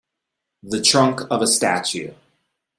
The trunk of a statue.